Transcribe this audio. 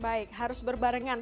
baik harus berbarengan